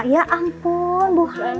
ya ampun bu hany